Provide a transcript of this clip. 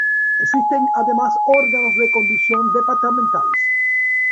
Existen además órganos de conducción departamentales.